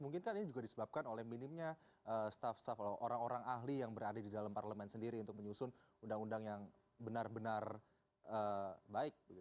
mungkin kan ini juga disebabkan oleh minimnya staff staff orang orang ahli yang berada di dalam parlemen sendiri untuk menyusun undang undang yang benar benar baik